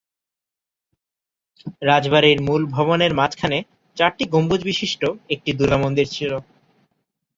রাজবাড়ির মূল ভবনের মাঝখানে চারটি গম্বুজ বিশিষ্ট একটি দুর্গা মন্দির ছিল।